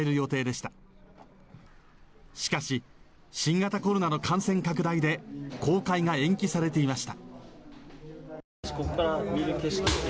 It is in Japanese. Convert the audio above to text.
しかし、新型コロナの感染拡大で公開が延期されていました。